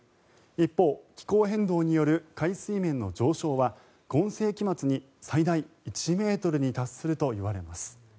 一方、気候変動による海水面の上昇は今世紀末に最大１ｍに達するといわれます。